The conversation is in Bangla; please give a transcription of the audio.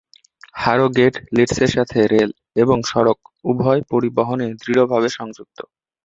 হারোগেট লিডসের সাথে রেল এবং সড়ক উভয় পরিবহনে দৃঢ়ভাবে সংযুক্ত।